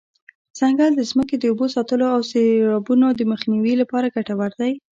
ځنګل د ځمکې د اوبو ساتلو او د سیلابونو د مخنیوي لپاره ګټور دی.